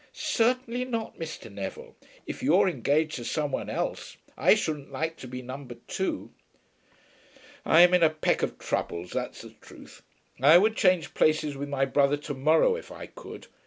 "Certainly not, Mr. Neville, if you are engaged to some one else. I shouldn't like to be Number Two." "I'm in a peck of troubles; that's the truth. I would change places with my brother to morrow if I could.